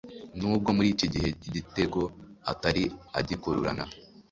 Nubwo muri iki gihe Igitego atari agikururana